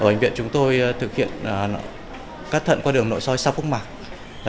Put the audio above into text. ở ảnh viện chúng tôi thực hiện cắt thận qua đường nội soi sau khúc mặt